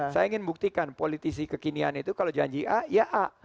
saya ingin buktikan politisi kekinian itu kalau janji a ya a